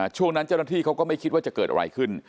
ช่วงนั้นเจ้าหน้าที่เขาก็ไม่คิดว่าจะเกิดอะไรขึ้น